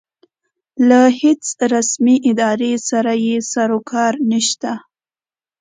له هېڅ رسمې ادارې سره یې سروکار نشته.